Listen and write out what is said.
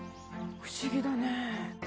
不思議だねえ。